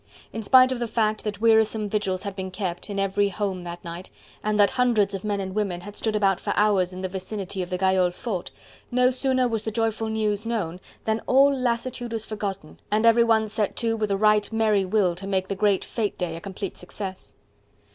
In spite of the fact that wearisome vigils had been kept in every home that night, and that hundreds of men and women had stood about for hours in the vicinity of the Gayole Fort, no sooner was the joyful news known, than all lassitude was forgotten and everyone set to with a right merry will to make the great fete day a complete success.